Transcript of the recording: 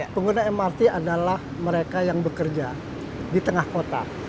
pengguna mrt adalah mereka yang bekerja di tengah kota